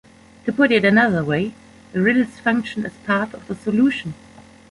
To put it another way, the riddles function as part of the solution.